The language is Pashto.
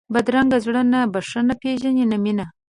بدرنګه زړه نه بښنه پېژني نه مینه